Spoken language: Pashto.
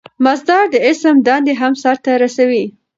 مصدر د اسم دندې هم سر ته رسوي.